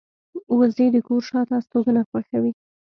وزې د کور شاته استوګنه خوښوي